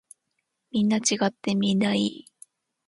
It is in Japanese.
みんな違ってみんないい。